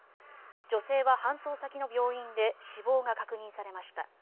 女性は搬送先の病院で死亡が確認されました。